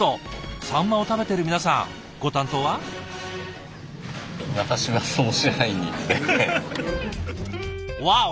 さんまを食べてる皆さんご担当は？わお！